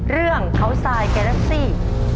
เรื่องเขาทรายแกรักซี่